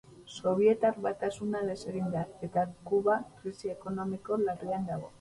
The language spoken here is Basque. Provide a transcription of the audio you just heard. Sobietar Batasuna desegin da, eta Kuba krisi ekonomiko larrian dago.